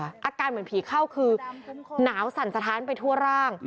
อาการเหมือนผีเข้าคือหนาวสั่นสะท้านไปทั่วร่าง